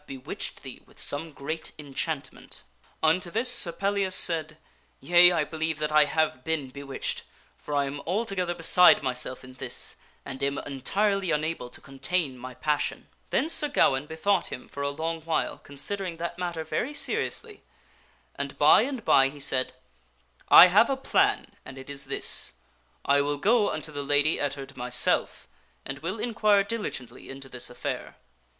bewitched thee with some great enchantment." 258 THE STORY OF SIR PELLIAS Unto this Sir Pellias said, "Yea, I believe that I have been bewitched, for I am altogether beside myself in this, and am entirely unable to con tain my passion." * Then Sir Gawaine bethought him for a long while, considering that matter very seriously ; and by and by he said, " I have a plan, and it is this: I will go unto the Lady Ettard myself, and will inquire diligently into this affair.